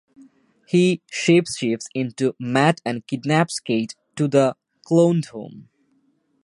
He shapeshifts into Matt and kidnaps Kate to the cloned home.